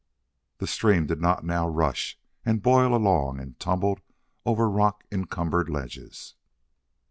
The stream did not now rush and boil along and tumble over rock encumbered ledges.